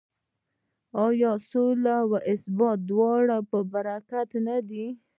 آیا سوله او ثبات د دواړو په ګټه نه دی؟